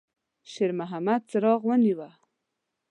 شېرمحمد څراغ ونیوه.